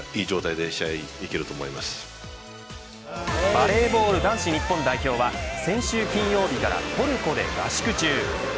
バレーボール男子日本代表は先週金曜日からトルコで合宿中。